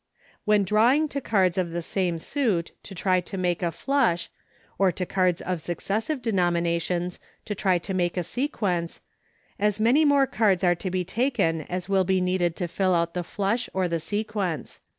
When drawing to cards of the same suit, to try to make a flush, or to cards of successive denominations, to try to make a sequence, as many more cards are to be taken as will be needed to fill out the flush or the sequence.